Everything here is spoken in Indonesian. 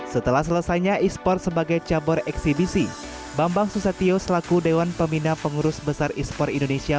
setelah selesainya e sports sebagai cabur eksibisi bambang susatyo selaku dewan pembina pengurus besar e sport indonesia